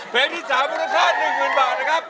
เฟซที่๓พิมพ์ธนาคาร๑๐๐๐๐บาทนะครับ